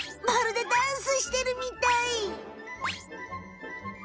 まるでダンスしてるみたい！